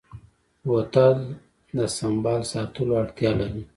بوتل د سنبال ساتلو اړتیا لري.